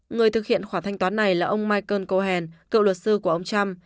người thực hiện khoản thanh toán này là ông michael cohen cựu luật sư của ông trump